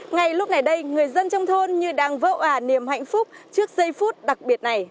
ngay lúc này đây người dân trong thôn như đang vỡ ả niềm hạnh phúc trước giây phút đặc biệt này